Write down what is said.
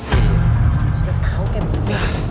sudah tahu kan